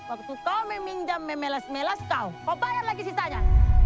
waktu kau meminjam memelas melas kau kau bayar lagi sisanya